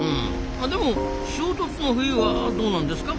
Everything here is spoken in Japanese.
あでも「衝突の冬」はどうなんですか？